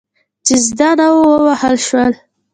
چې زده نه وو، ووهل شول.